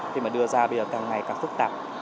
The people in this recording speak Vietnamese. khi mà đưa ra bây giờ càng ngày càng phức tạp